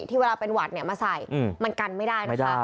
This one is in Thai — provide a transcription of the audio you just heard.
เวลาเป็นหวัดมาใส่มันกันไม่ได้นะคะ